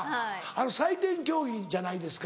採点競技じゃないですか。